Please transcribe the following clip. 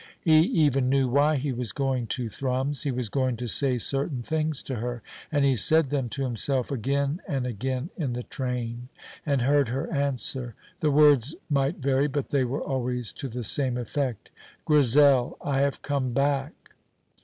He even knew why he was going to Thrums. He was going to say certain things to her; and he said them to himself again and again in the train, and heard her answer. The words might vary, but they were always to the same effect. "Grizel, I have come back!"